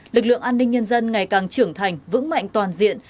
lực lượng an ninh nhân dân ngày càng trưởng thành vững mạnh toàn diện